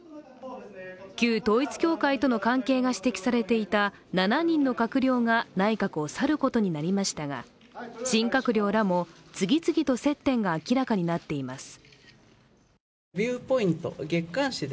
旧統一教会との関係が指摘されていた７人の閣僚が内閣を去ることになりましたが、新閣僚らも次々と接点が明らかになっています。